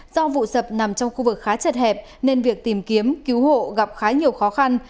do vụ sập nằm trong khu vực khá chật hẹp nên việc tìm kiếm cứu hộ gặp khá nhiều khó khăn